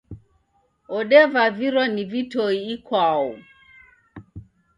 Odevavirwa ni vitoi ikwau.